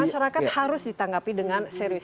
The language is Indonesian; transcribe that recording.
masyarakat harus ditanggapi dengan serius